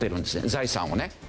財産をね。